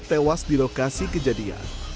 tewas di lokasi kejadian